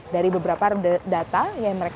dari beberapa data yang mereka